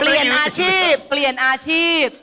เปลี่ยนอาชีพเปลี่ยนอาชีพ